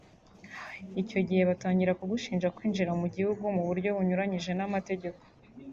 Icyo gihe batangira kugushinja kwinjira mu gihugu mu buryo bunyuranyije n’amategeko